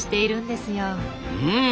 うん。